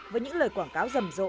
với những lời quảng cáo rầm rộ